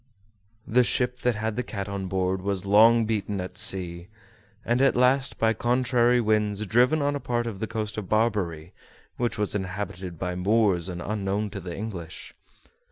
The ship that had the cat on board was long beaten at sea, and at last, by contrary winds, driven on a part of the coast of Barbary which was inhabited by Moors unknown to the English.